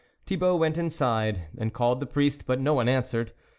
Thibault went inside, and called the priest, but no one answered.